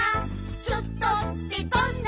「ちょっとってどんな？」